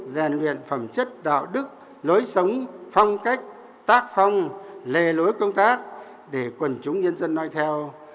rèn luyện phẩm chất đạo đức lối sống phong cách tác phong lề lối công tác để quần chúng nhân dân nói theo